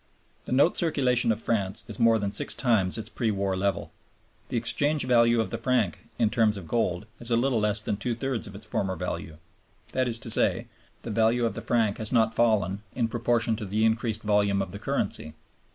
The note circulation of France is more than six times its pre war level. The exchange value of the franc in terms of gold is a little less than two thirds its former value; that is to say, the value of the franc has not fallen in proportion to the increased volume of the currency.